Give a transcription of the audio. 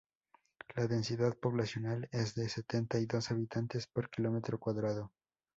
La densidad poblacional es de setenta y dos habitantes por kilómetro cuadrado.